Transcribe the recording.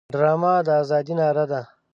ډرامه د ازادۍ ناره ده